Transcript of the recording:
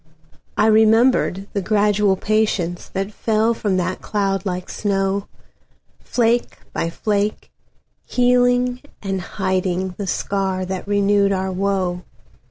I remembered the gradual patienceThat fell from that cloud like snow, Flake by flake, healing and hidingThe scar that renewed our woe.